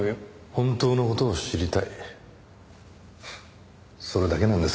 本当の事を知りたいそれだけなんですがね。